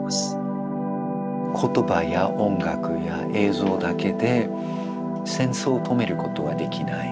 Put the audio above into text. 言葉や音楽や映像だけで戦争を止めることはできない。